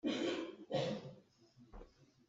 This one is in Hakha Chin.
A thin a tawi.